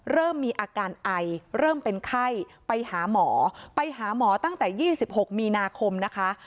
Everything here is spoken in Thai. เริ่มมีอาการไอเริ่มเป็นไข้ไปหาหมอไปหาหมอตั้งแต่๒๖มีนาคมนะคะ